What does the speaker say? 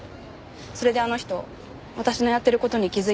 それであの人私のやってる事に気づいて。